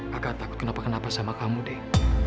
kakak takut kenapa kenapa sama kamu deh